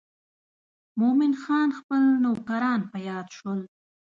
مومن خان خپل نوکران په یاد شول.